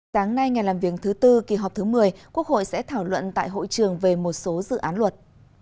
sáng nay ngày làm việc thứ tư kỳ họp thứ một mươi quốc hội sẽ thảo luận tại hội trường về một số dự án luật